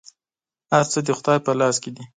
هر څه د خدای په لاس کي دي .